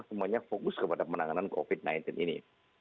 semuanya fokus kepada penanganan covid sembilan belas ini